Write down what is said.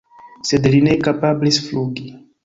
Sed li ne kapablis flugi!